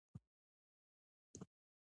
تۀ اوس چېرته يې ؟